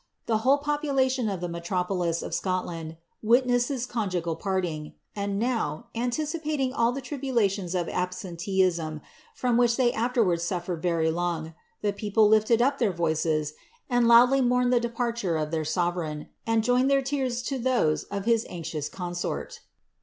The whole population of ihe metropolis h Scotland witnessed this conjiijral parting; and now. anticipating ai! Ini tribulations of absenteeism, from which they afterwards sutlereii vtr; long, the people lifted up their voices, and loudly mourned the dejvir: ure of their sovereign, and joined their tears lo those of his aTiiio:; consort.